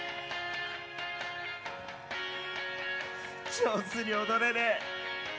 上手に踊れねえ。